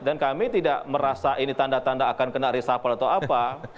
dan kami tidak merasa ini tanda tanda akan kena resapel atau apa